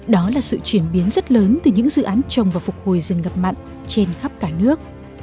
đó là sự chuyển biến rất lớn từ những dự án trồng và phục hồi rừng ngập mặn trên khắp cả nước